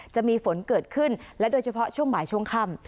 จะมีฝนเกิดขึ้นและโดยเฉพาะช่วงบ่ายช่วงค่ำ